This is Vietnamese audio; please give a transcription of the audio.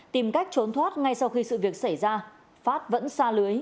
tìm cách trốn thoát ngay sau khi sự việc xảy ra phát vẫn xa lưới